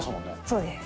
そうです。